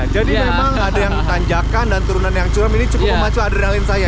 jadi memang ada yang tanjakan dan turunan yang curam ini cukup memacu adrenalin saya